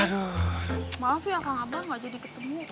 maaf ya kakak ngabah gak jadi ketemu